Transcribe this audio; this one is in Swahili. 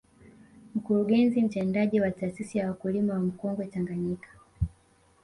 Mkurugenzi Mtendaji wa taasisi ya wakulima wa mkonge Tanganyika